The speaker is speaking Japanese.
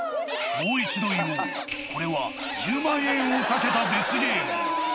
もう一度言おう、これは１０万円をかけたデスゲーム。